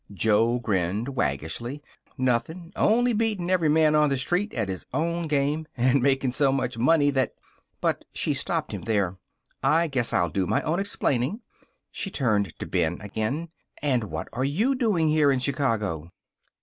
Joe grinned, waggishly. "Nothin'; only beatin' every man on the street at his own game, and makin' so much money that " But she stopped him there. "I guess I'll do my own explaining." She turned to Ben again. "And what are you doing here in Chicago?"